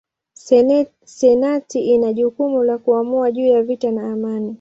Senati ina jukumu la kuamua juu ya vita na amani.